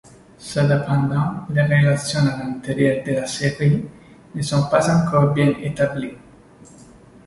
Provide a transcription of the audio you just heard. Cependant les relations à l'intérieur de la série ne sont pas encore bien établies.